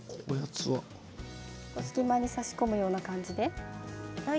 隙間に差し込むような感じで。